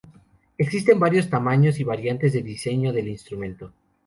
Existen varios tamaños y variantes de diseño del instrumento.